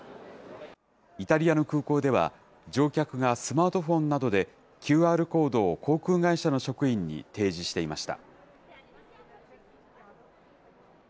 イタリアの空港では、乗客がスマートフォンなどで、ＱＲコードを航空会社の職員に提示していました。